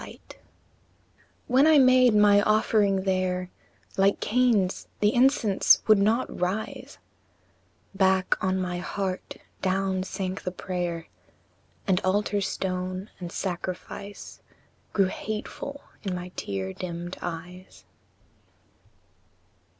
Yet when I made my offering there, Like Cain's, the incense would not rise; Back on my heart down sank the prayer, And altar stone and sacrifice Grew hateful in my tear dimmed eyes.